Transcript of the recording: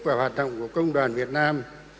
và hoạt động của công đoàn việt nam